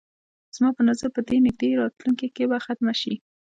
زما په نظر په دې نږدې راتلونکي کې به ختمه شي.